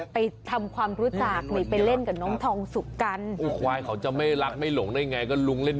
เป็นขวัญคนกันขวัญหาเมืองหาทอง